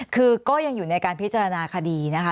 คือก็ยังอยู่ในการพิจารณาคดีนะคะ